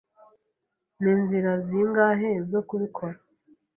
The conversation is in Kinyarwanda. Ni inzira zingahe zo kubikora?